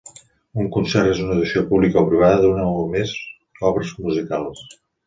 Un concert és una audició pública o privada d'una o més obres musicals.